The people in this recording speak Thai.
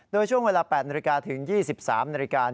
โดยช่วงเวลา๘นาฬิกาถึง๒๓นาฬิกา